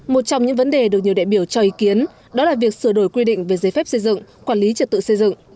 một trong những vấn đề được nhiều đại biểu cho ý kiến đó là việc sửa đổi quy định về giấy phép xây dựng quản lý trật tự xây dựng